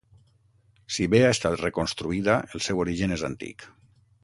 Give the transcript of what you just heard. Si bé ha estat reconstruïda, el seu origen és antic.